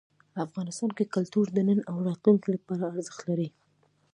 افغانستان کې کلتور د نن او راتلونکي لپاره ارزښت لري.